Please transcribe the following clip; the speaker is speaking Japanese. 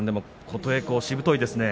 琴恵光、しぶといですね。